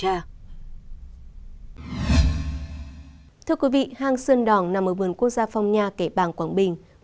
thưa quý vị hang sơn đỏng nằm ở vườn quốc gia phong nha kẻ bàng quảng bình